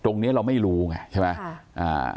ตรงเนี้ยเราไม่รู้ไงใช่ไหมค่ะอ่า